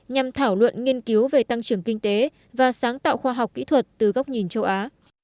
nhằm thảo luận nghiên cứu về tăng trưởng kinh tế và sáng tạo khoa học kỹ thuật từ góc nhìn châu á